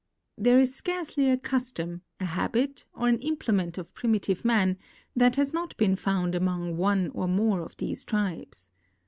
There is scarcely a custom, a habit, or an implement of primitive man that has not been found among one or more of these tribes.